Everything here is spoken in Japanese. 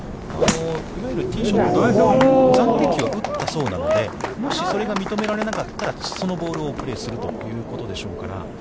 いわゆるティーショット、暫定球は打ったそうなので、もしそれが認められなかったら、そのボールをプレーするということでしょうから。